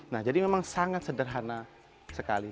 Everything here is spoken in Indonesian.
nah jadi memang sangat sederhana sekali